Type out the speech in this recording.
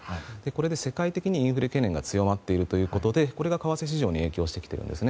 これで世界的にインフレ懸念が強まっているということで為替市場に影響してきています。